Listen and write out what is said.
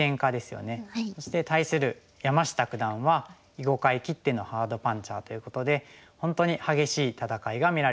そして対する山下九段は囲碁界きってのハードパンチャーということで本当に激しい戦いが見られるんじゃないかと思って。